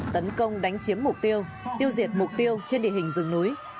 tấn công đánh chiếm mục tiêu tiêu diệt mục tiêu trên địa hình rừng núi